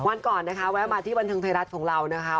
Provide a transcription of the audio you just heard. วันก่อนนะคะแวะมาที่บันเทิงไทยรัฐของเรานะคะ